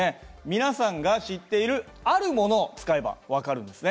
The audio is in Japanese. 皆さんが知っているあるものを使えば分かるんですね。